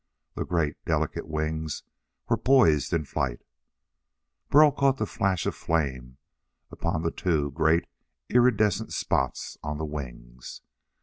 The great, delicate wings were poised in flight. Burl caught the flash of flame upon the two great irridescent spots on the wings.